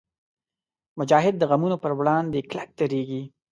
مجاهد د غمونو پر وړاندې کلک درېږي.